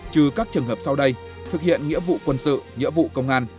trừ các trường hợp sau đây thực hiện nghĩa vụ quân sự nghĩa vụ công an